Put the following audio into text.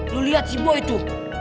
kau lihat si boy itu